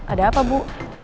ada apa bu